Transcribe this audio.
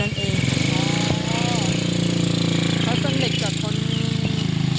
ปาดอิช